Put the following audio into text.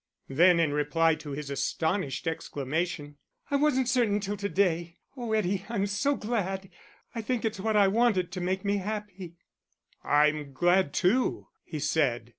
Then in reply to his astonished exclamation "I wasn't certain till to day.... Oh, Eddie, I'm so glad. I think it's what I wanted to make me happy." "I'm glad too," he said.